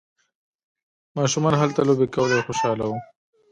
ماشومان هلته لوبې کولې او خوشحاله وو.